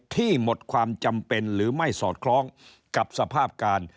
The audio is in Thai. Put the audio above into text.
ที่หมดความจำเป็นหรือไม่สอดคล้องกับสภาพการ